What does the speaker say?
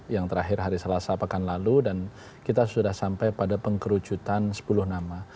yang terakhir hari selasa pekan lalu dan kita sudah sampai pada pengkerucutan sepuluh nama